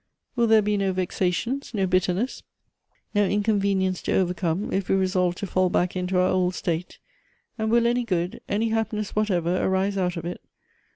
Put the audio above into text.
Will there be no vexations, no bitterness, no inconvenience to overcome, if we resolve to fall back into our old state? and will any good, any happiness what ever, arise out of it?